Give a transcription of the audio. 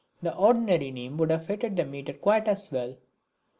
The ordinary name would have fitted the metre quite as well.